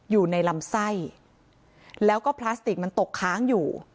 อยู่ในลำไส้แล้วก็พลาสติกมันตกค้างอยู่